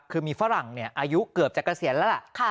คือมีฝรั่งอายุเกือบจะเกษียณแล้วล่ะ